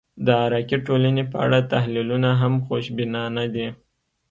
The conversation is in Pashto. د عراقي ټولنې په اړه تحلیلونه هم خوشبینانه دي.